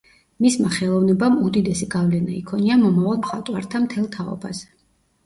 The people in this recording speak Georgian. მისმა ხელოვნებამ უდიდესი გავლენა იქონია მომავალ მხატვართა მთელ თაობაზე.